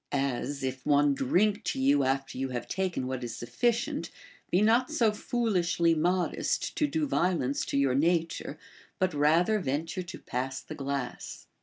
As, if one drink to you after you have taken what is sufficient, be not so fool ishly modest to do violence to your nature, but rather venture to pass the glass.